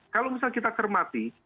kalau misalnya kita termati